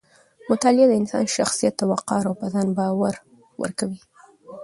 مطالعه د انسان شخصیت ته وقار او په ځان باور ورکوي.